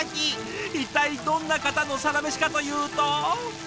一体どんな方のサラメシかというと。